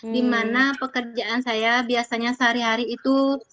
di mana pekerjaan saya biasanya sehari hari itu selalu berlangsung